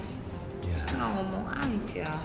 seharusnya ngomong aja